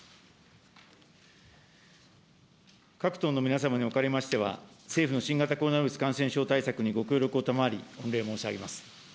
各党の皆様におかれましては、政府の新型コロナウイルス感染症対策にご協力を賜り、御礼申し上げます。